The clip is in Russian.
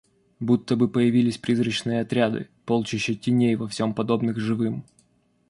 Будто бы появились призрачные отряды, полчища теней, во всем подобных живым.